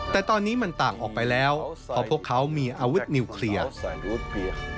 แต่ตอนนี้มันต่างออกไปแล้วเพราะพวกเขามีอาวุธนิวเคลียร์